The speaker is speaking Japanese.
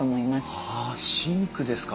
ああシンクですか。